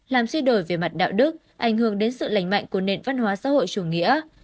làm suy đổi về mặt đạo đức ảnh hưởng đến sự lành mạnh của nền văn hóa xã hội chủ nghĩa